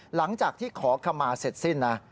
หลังจากที่ขอขมาเสร็จสิ้นนะ